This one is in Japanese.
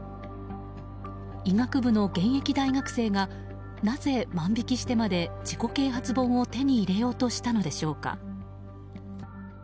医学部の現役大学生がなぜ、万引きしてまで自己啓発本を手に入れようとしたのでしょうか。